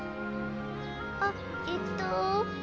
あっえっと。